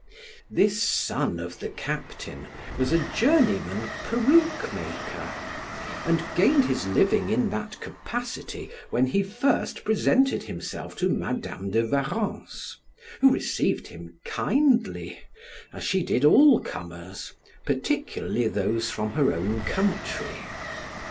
This son of the captain was a journeyman peruke maker, and gained his living in that capacity when he first presented himself to Madam de Warrens, who received him kindly, as she did all comers, particularly those from her own country.